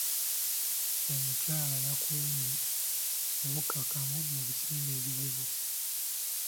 Omukyala yakuumye obukkakkamu mu biseera ebizibu.